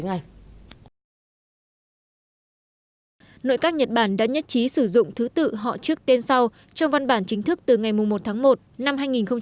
nội các nhật bản đã nhất trí sử dụng thứ tự họ trước tên sau trong văn bản chính thức từ ngày một tháng một năm hai nghìn hai mươi